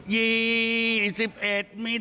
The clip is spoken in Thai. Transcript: ไปไงไปไง